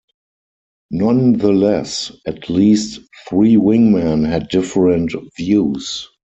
Nonetheless, at least three wingmen had different views.